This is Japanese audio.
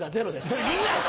それみんな！